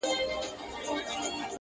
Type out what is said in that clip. نه مي د دار له سره واورېدې د حق سندري.!